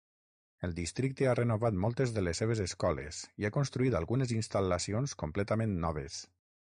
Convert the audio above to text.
El districte ha renovat moltes de les seves escoles i ha construït algunes instal·lacions completament noves.